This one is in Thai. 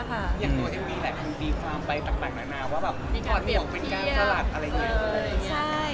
อย่างโดยมีอะไรมันตีความไปต่างหน่อยว่าแบบมีการเปลี่ยนเที่ยวเป็นการสลัดอะไรเงี้ย